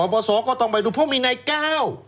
สอก็ต้องไปดูเพราะมีนายก้าว